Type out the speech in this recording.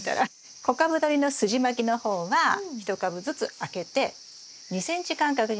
小株どりのすじまきの方は１株ずつ空けて２ｃｍ間隔になるようにします。